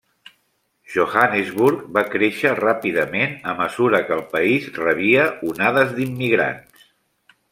Johannesburg va créixer ràpidament a mesura que el país rebia onades d'immigrants.